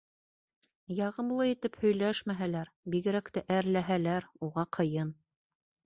Яғымлы итеп һөйләшмәһәләр, бигерәк тә әрләһәләр, уға ҡыйын.